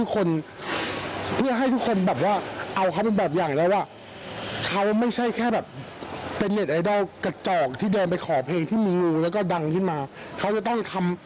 เขาที่ความพัฒนาอะไรเขาทำอะไรเขาต้องไปเรียนอะไรเพิ่มอะไรอย่างงี้นะครับ